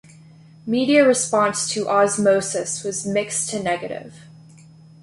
Media response to "Ozzmosis" was mixed to negative.